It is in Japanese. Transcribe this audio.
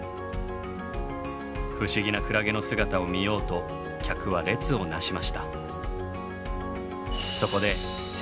不思議なクラゲの姿を見ようと客は列を成しました。